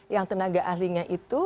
yang tenaga ahlinya itu